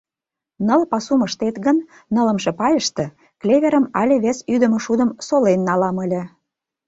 Ныл пасум ыштет гын, нылымше пайыште клеверым але вес ӱдымӧ шудым солен налам ыле.